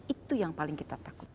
itu yang paling kita takutkan